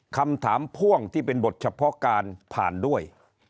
พ่วงที่เป็นบทเฉพาะการผ่านด้วย